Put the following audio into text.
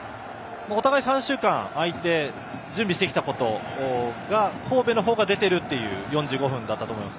お互い３週間空いて準備してきたことが神戸の方が出ている４５分だったと思います。